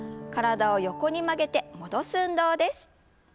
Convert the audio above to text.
体を横に曲げて戻す運動です。